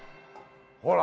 ほら。